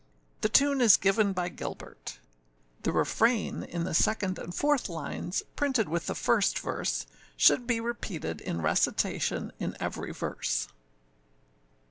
The tune is given by Gilbert. The refrain, in the second and fourth lines, printed with the first verse, should be repeated in recitation in every verse.